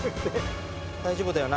大丈夫だよな？